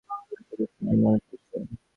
একটা দৃষ্টান্ত মনে পড়ছে।